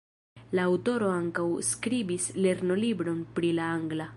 La aŭtoro ankaŭ skribis lernolibron pri la angla.